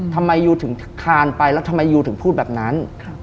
ทำไมยูถึงคานไปแล้วทำไมยูถึงพูดแบบนั้น